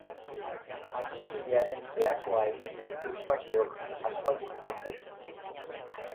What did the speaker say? Adiskidearen behakoa egin dit Eustakiok, aspaldiko partez.